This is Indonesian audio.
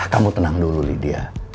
kamu tenang dulu lydia